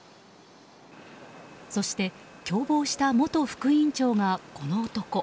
そして、共謀した元副院長がこの男